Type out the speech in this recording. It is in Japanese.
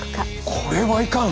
これはいかん！